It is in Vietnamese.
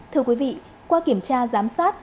thưa quý vị qua kiểm tra giám sát